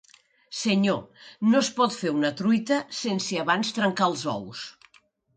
Senyor, no es pot fer una truita sense abans trencar els ous.